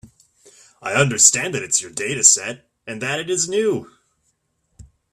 I understand that it is your dataset, and that it is new.